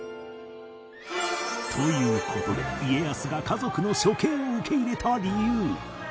という事で家康が家族の処刑を受け入れた理由